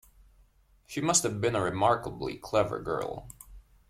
She must have been a remarkably clever girl.